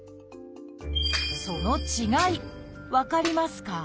その違い分かりますか？